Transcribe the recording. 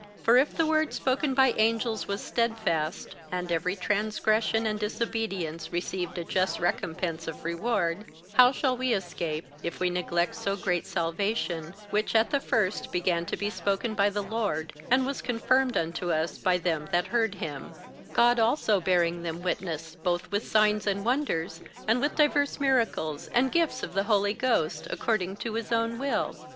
58:002:002 For if the word spoken by angels was stedfast, and every transgression and disobedience received a just recompence of reward; 58:002:003 How shall we escape, if we neglect so great salvation; which at the first began to be spoken by the Lord, and was confirmed unto us by them that heard him; 58:002:004 God also bearing them witness, both with signs and wonders, and with divers miracles, and gifts of the Holy Ghost, according to his own will?